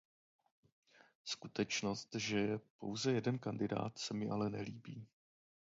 Skutečnost, že je pouze jeden kandidát se mi ale nelíbí.